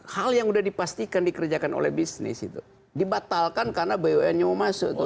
hal yang sudah dipastikan dikerjakan oleh bisnis itu dibatalkan karena bumn nya mau masuk